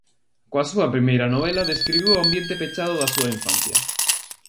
Coa súa primeira novela describiu o ambiente pechado da súa infancia.